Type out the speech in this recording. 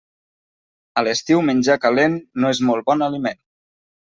A l'estiu menjar calent no és molt bon aliment.